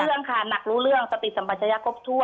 รู้เรื่องค่ะหนักรู้เรื่องสติสัมปัญญาครบถ้วนอืม